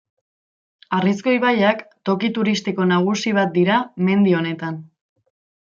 Harrizko ibaiak, toki turistiko nagusi bat dira mendi honetan.